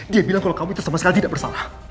dia bilang kalau kamu itu sama sekali tidak bersalah